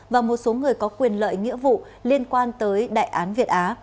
và một số người có quyền lợi nghĩa vụ liên quan tới đại án việt á